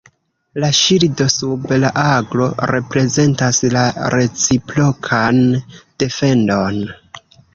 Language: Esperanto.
La ŝildo sub la aglo reprezentas la reciprokan defendon.